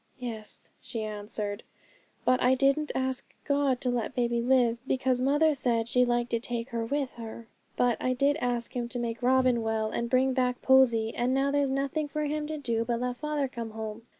'Yes,' she answered, 'but I didn't ask God to let baby live, because mother said she'd like to take her with her. But I did ask Him to make Robin well, and bring back Posy; and now there's nothing for Him to do but let father come home.